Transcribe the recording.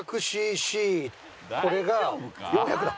これが４００だ！